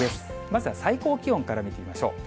まずは最高気温から見てみましょう。